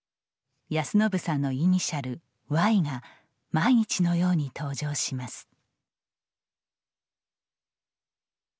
安信さんのイニシャルＹが毎日のように登場します。